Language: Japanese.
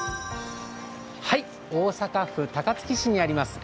大阪府高槻市にあります